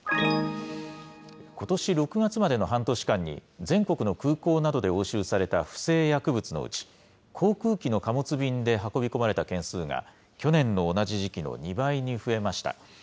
ことし６月までの半年間に、全国の空港などで押収された不正薬物のうち、航空機の貨物便で運び込まれた件数が、去年の同じ時期の２倍に増えました。